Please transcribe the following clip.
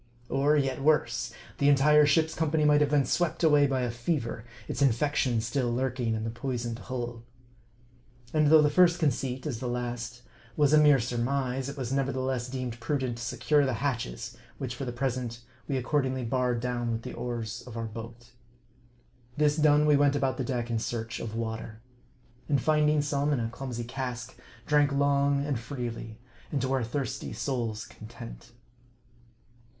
Or yet worse, the entire ship's company might have been swept away by a fever, its infection still lurking in the poisoned hull. And though the first conceit, as the last, was a mere surmise, it was nevertheless deemed prudent to secure the hatches, which for the present we accordingly barred down with the oars of our boat. This done, we went about the deck in search of water. And finding some in a clumsy cask, drank long and freely, and to our thirsty souls' content.